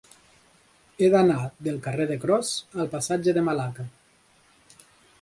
He d'anar del carrer de Cros al passatge de Malacca.